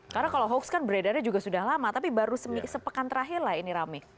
karena kalau hoax kan beredarnya juga sudah lama tapi baru sepekan terakhirlah ini rame